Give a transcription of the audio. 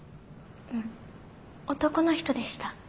うん男の人でした。